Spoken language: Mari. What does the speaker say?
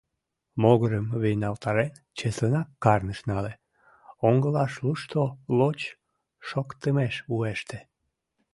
Могырым вийналтарен, чеслынак карнышт нале, оҥылашлушто лоч шоктымеш уэште.